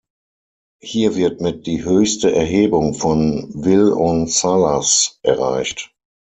Hier wird mit die höchste Erhebung von Ville-en-Sallaz erreicht.